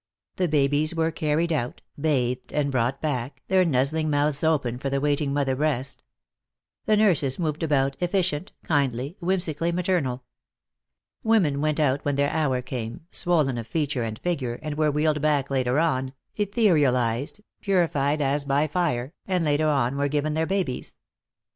The babies were carried out, bathed and brought back, their nuzzling mouths open for the waiting mother breast. The nurses moved about, efficient, kindly, whimsically maternal. Women went out when their hour came, swollen of feature and figure, and were wheeled back later on, etherealized, purified as by fire, and later on were given their babies.